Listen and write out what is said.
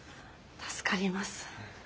助かります。